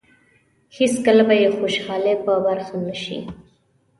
هېڅکله به یې خوشالۍ په برخه نه شي.